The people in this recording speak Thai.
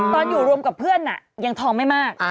ตอนอยู่รวมกับเพื่อนยังทองไม่มาก